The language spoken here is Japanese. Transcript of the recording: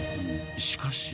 しかし。